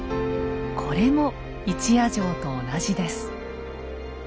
これも一夜城と同じです。